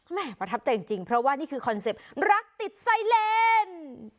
ประทับใจจริงเพราะว่านี่คือคอนเซ็ปต์รักติดไซเลน